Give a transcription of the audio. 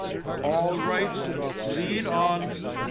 All right, lead on."